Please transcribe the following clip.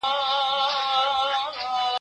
ته ولي اوبه پاکوې!.